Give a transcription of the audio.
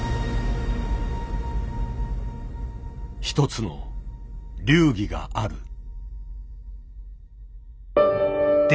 一つの流儀がある。